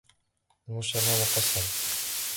المجتمع مقسم.